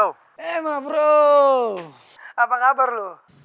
wah maaa apapun itu guys